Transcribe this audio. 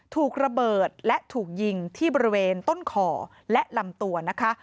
ถูกระเบิดและถูกยิงที่บริเวณต้นคอและลำตัวนะคะ